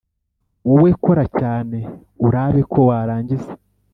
Wowe kora cyane urabe ko warangiza